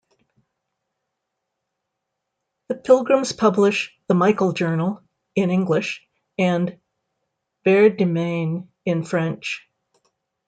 The Pilgrims publish "The Michael Journal" in English and "Vers Demain" in French.